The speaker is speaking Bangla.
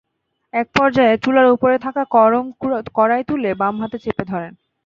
একপর্যায়ে চুলার ওপর থাকা গরম কড়াই তুলে বাম হাতে চেপে ধরেন।